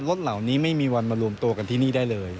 รถเหล่านี้ไม่มีวันมารวมตัวกันที่นี่ได้เลย